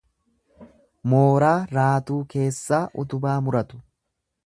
Mooraa raatuu keessaa utubaa muratu.